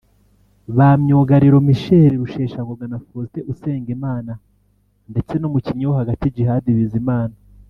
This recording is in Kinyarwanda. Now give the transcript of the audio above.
ba myugariro Michel Rusheshangoga na Faustin Usengimana ndetse n’umukinnyi wo hagati Djihad Bizimana